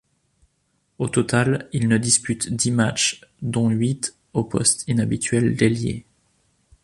Au total, il ne dispute dix matchs, dont huit au poste inhabituel d'ailier.